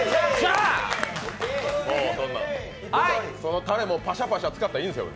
そのたれ、パシャパシャ使ったらいいんですよ。